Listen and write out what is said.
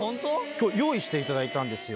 今日用意していただいたんですよ